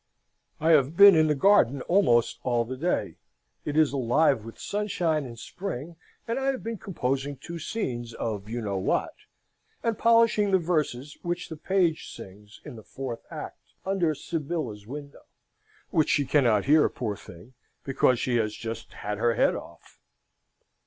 "'I have been in the garden almost all the day. It is alive with sunshine and spring; and I have been composing two scenes of you know what, and polishing the verses which the Page sings in the fourth act, under Sybilla's window, which she cannot hear, poor thing, because she has just had her head off.'"